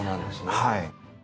はい。